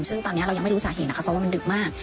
ซึ่งตอนนี้เรายังไม่รู้สาเหตุนะคะเพราะว่ามันดึกมาก